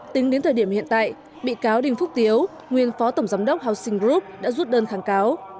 tính đến thời điểm hiện tại bị cáo đình phúc tiếu nguyên phó tổng giám đốc housing group đã rút đơn kháng cáo